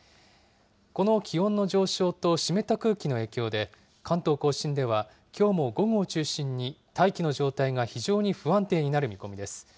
この気温の上昇と湿った空気の影響で、関東甲信ではきょうも午後を中心に、大気の状態が非常に不安定になる見込みです。